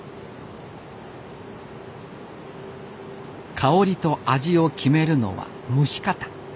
香りと味を決めるのは蒸し方。